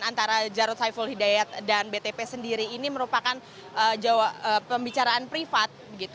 antara jarod saiful hidayat dan btp sendiri ini merupakan pembicaraan privat